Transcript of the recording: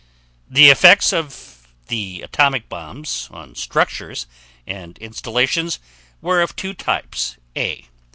The effects of the atomic bombs on structures and installations were of two types: A.